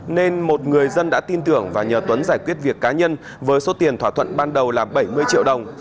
nên một người dân đã tin tưởng và nhờ tuấn giải quyết việc cá nhân với số tiền thỏa thuận ban đầu là bảy mươi triệu đồng